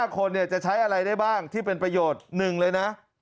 ๕คนจะใช้อะไรได้บ้างที่เป็นประโยชน์๑เลยนะ